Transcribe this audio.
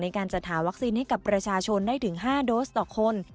การจัดหาวัคซีนให้กับประชาชนได้ถึง๕โดสต่อคน